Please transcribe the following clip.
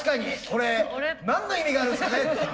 「これ何の意味があるんですかね」。